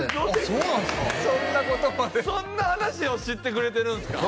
そんなことまでそんな話を知ってくれてるんすか？